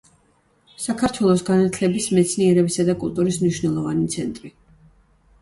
საქართველოს განათლების, მეცნიერებისა და კულტურის მნიშვნელოვანი ცენტრი.